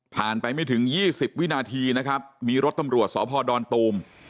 ไปไม่ถึง๒๐วินาทีนะครับมีรถตำรวจสพดอนตูม